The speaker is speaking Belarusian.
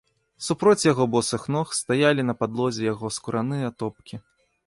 Супроць яго босых ног стаялі на падлозе яго скураныя атопкі.